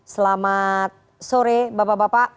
selamat sore bapak bapak